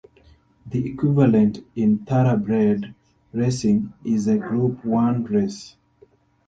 The equivalent in thoroughbred racing is a Group One race.